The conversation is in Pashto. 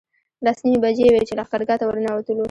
لس نیمې بجې وې چې لښکرګاه ته ورنوتلو.